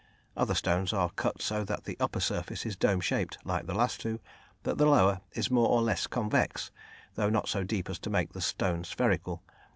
Other stones are cut so that the upper surface is dome shaped like the last two, but the lower is more or less convex, though not so deep as to make the stone spherical.